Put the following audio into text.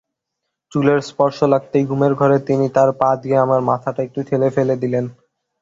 চুলের স্পর্শ লাগতেই ঘুমের ঘোরে তিনি তাঁর পা দিয়ে আমার মাথাটা একটু ঠেলে দিলেন।